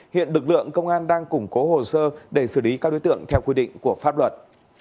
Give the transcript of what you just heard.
hiện lực lượng công an đang củng cố hồ sơ để xử lý các đối tượng theo quy định của pháp luật